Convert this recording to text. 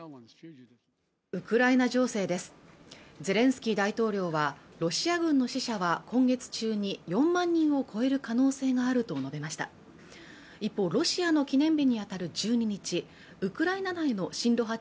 ウクライナ情勢ですゼレンスキー大統領はロシア軍の死者は今月中に４万人を超える可能性があると述べました一方ロシアの記念日に当たる１２日ウクライナ内の親ロ派